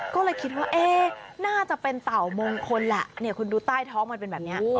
ก็เลยคิดว่าน่าจะเป็นเต่ามงคลแหละคุณดูใต้ท้องมันเป็นแบบนี้